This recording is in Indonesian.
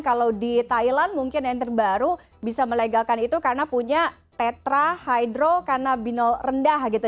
kalau di thailand mungkin yang terbaru bisa melegalkan itu karena punya tetrahydrokanabinol rendah gitu